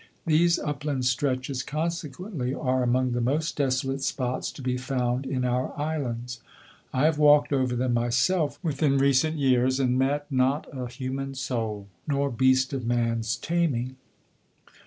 These upland stretches, consequently, are among the most desolate spots to be found in our islands. I have walked over them myself within recent years and met not a human soul, nor beast of man's taming.